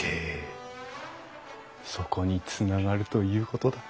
そこにつながるということだ。